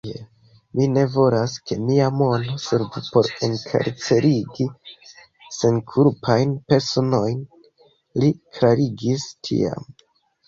Mi ne volas, ke mia mono servu por enkarcerigi senkulpajn personojn, li klarigis tiam.